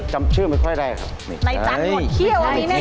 จำชื่อไม่ค่อยได้ครับ